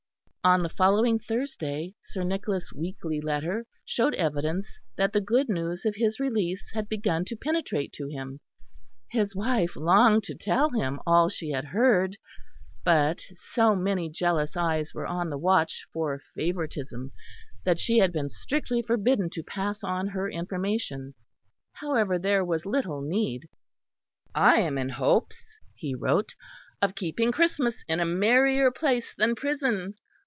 On the following Thursday, Sir Nicholas' weekly letter showed evidence that the good news of his release had begun to penetrate to him; his wife longed to tell him all she had heard, but so many jealous eyes were on the watch for favouritism that she had been strictly forbidden to pass on her information. However there was little need. "I am in hopes," he wrote, "of keeping Christmas in a merrier place than prison.